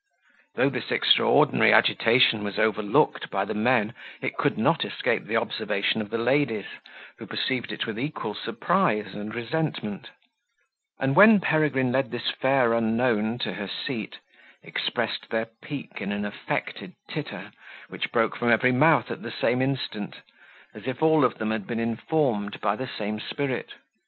Though this extraordinary agitation was overlooked by the men, it could not escape the observation of the ladies, who perceived it with equal surprise and resentment; and when Peregrine led this fair unknown to her seat, expressed their pique in an affected titter, which broke from every mouth at the same instant as if all of them had been informed by the same spirit.